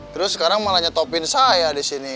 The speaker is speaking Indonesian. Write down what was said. terus sekarang malah nyetopin saya di sini